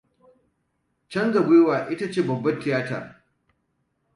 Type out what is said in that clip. Canza gwaiwa shi ne babbar tiayatar.